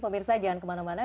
pemirsa jangan kemana mana